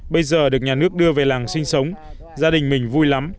bây giờ được nhà nước đưa về làng sinh sống gia đình mình vui lắm